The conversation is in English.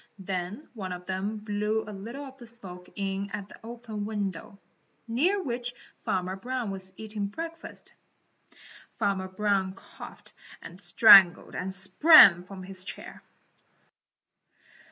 Then one of them blew a little of the smoke in at an open window, near which Farmer Brown was eating breakfast. Farmer Brown coughed and strangled and sprang from his chair.